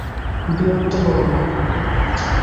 বিরক্ত কোরো না।